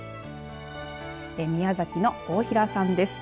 宮崎の大平さんです。